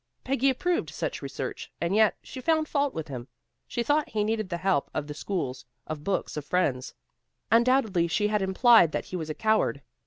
Peggy approved such research, and yet she found fault with him. She thought he needed the help of the schools, of books, of friends. Undoubtedly she had implied that he was a coward.